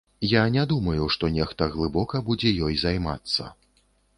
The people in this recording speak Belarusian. Я не думаю, што нехта глыбока будзе ёй займацца.